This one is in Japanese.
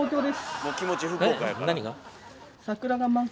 もう気持ち福岡やから。